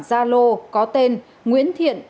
zalo có tên nguyễn thiện